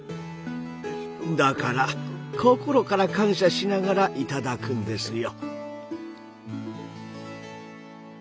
だから心から感謝しながらいただくんですよ。